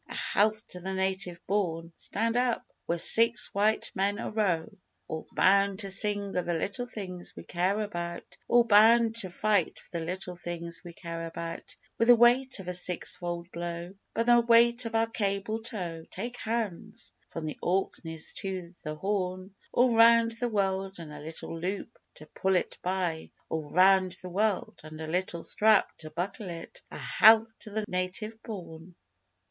_A health to the Native born, (Stand up!) We're six white men arow, All bound to sing o' the little things we care about, All bound to fight for the little things we care about With the weight of a six fold blow! By the might of our cable tow, (Take hands!) From the Orkneys to the Horn, All round the world (and a little loop to pull it by), All round the world (and a little strap to buckle it), A health to the Native born!